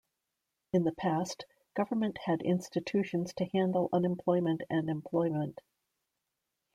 In the past, government had institutions to handle unemployment and employment.